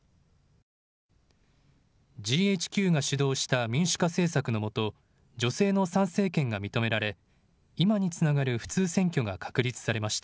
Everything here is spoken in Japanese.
ＧＨＱが主導した民主化政策のもと、女性の参政権が認められ今につながる普通選挙が確立されました。